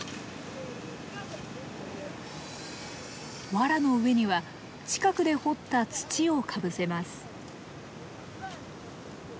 わらの上には近くで掘った土をかぶせます。